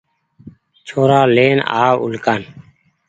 ڇورآن لين آو اُلڪآن